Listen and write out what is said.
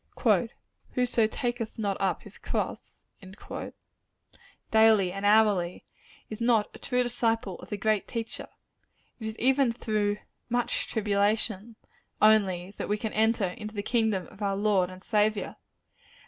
"Whoso taketh not up his cross," daily and hourly, is not a true disciple of the great Teacher. It is even through "much tribulation" only, that we can enter into the kingdom of our Lord and Saviour.